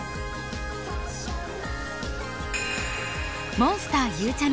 モンスターゆうちゃみ